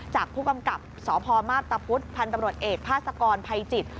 จากผู้กำกับสพมาพตะพุธพันธ์ตำรวจเอกภาษกรภัยจิต